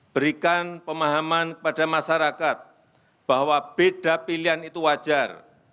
berikan pemahaman kepada masyarakat bahwa beda pilihan itu wajar